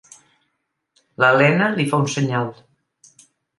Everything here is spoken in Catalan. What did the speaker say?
L'Elena li fa un senyal.